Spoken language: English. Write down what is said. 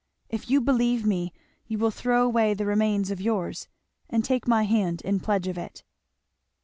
If you believe me you will throw away the remains of yours and take my hand in pledge of it."